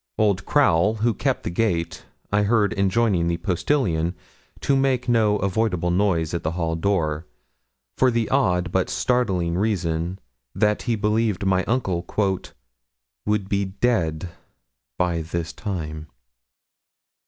Old Crowl, who kept the gate, I heard enjoining the postilion to make no avoidable noise at the hall door, for the odd but startling reason that he believed my uncle 'would be dead by this time.'